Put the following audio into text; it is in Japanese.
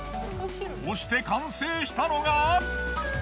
こうして完成したのが。